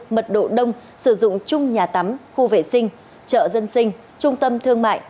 mật độ đông sử dụng chung nhà tắm khu vệ sinh chợ dân sinh trung tâm thương mại